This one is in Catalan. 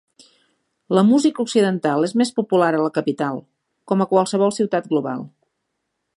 La música occidental és més popular a la capital, com a qualsevol ciutat global.